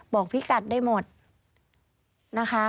บอกพี่กัดได้หมดนะคะ